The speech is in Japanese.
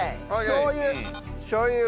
しょう油。